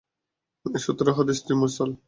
এ সূত্রে হাদীসটি মুরসাল।